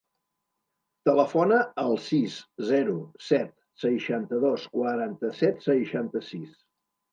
Telefona al sis, zero, set, seixanta-dos, quaranta-set, seixanta-sis.